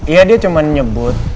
iya dia cuman nyebut